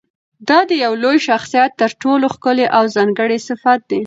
دا د یوه لوی شخصیت تر ټولو ښکلی او ځانګړی صفت دی.